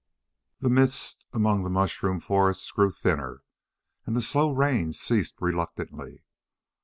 The mist among the mushroom forests grew thinner, and the slow rain ceased reluctantly.